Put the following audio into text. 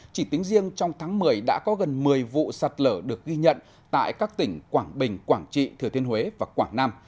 chỉ tính riêng trong tháng một mươi đã có gần một mươi vụ sạt lở được ghi nhận tại các tỉnh quảng bình quảng trị thừa thiên huế và quảng nam